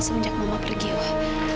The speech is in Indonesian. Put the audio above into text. semenjak mama pergi wah